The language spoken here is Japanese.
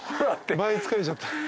倍疲れちゃった。